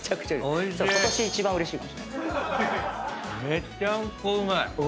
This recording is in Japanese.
めちゃんこうまい。